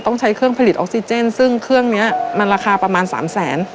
ต้องใช้เครื่องผลิตออกซิเจนซึ่งเครื่องนี้มันราคาประมาณสามแสน